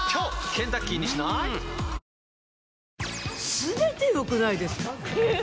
全て良くないですか？